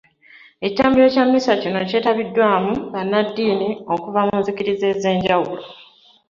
Ekitambiro kya mmisa kino kyetabiddwako bannaddiini okuva mu nzikiriza ez'enjawulo